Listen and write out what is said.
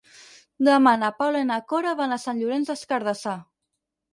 Demà na Paula i na Cora van a Sant Llorenç des Cardassar.